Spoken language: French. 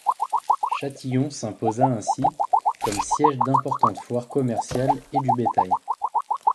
Châtillon s'imposa ainsi comme siège d'importantes foires commerciales et du bétail.